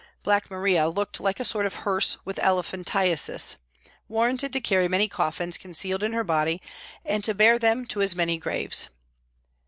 Black Maria looked like a sort of hearse with elephantiasis warranted to carry many coffins concealed in her body and to bear them to as many graves.